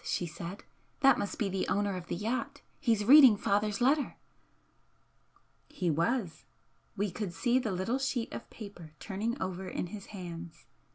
she said "That must be the owner of the yacht. He's reading father's letter." He was, we could see the little sheet of paper turning over in his hands.